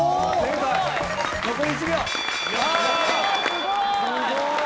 すごーい！